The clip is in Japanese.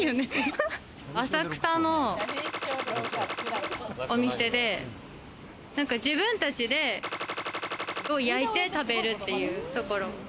浅草のお店で、自分たちでを焼いて食べるっていうところ。